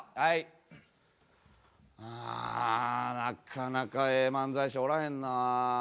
あなかなかええ漫才師おらへんな。